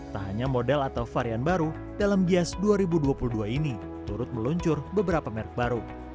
tak hanya model atau varian baru dalam gias dua ribu dua puluh dua ini turut meluncur beberapa merek baru